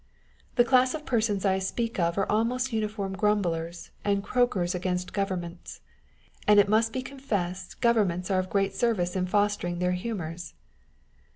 The class of persons I speak of are almost uniform grumblers and croakers against governments ; and it must be confessed, governments are of great service in fostering their humours.